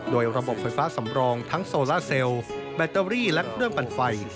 โดยระบบไฟฟ้าสำรองทั้งโซล่าเซลล์แบตเตอรี่และเครื่องปั่นไฟ